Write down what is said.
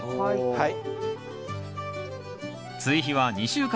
はい。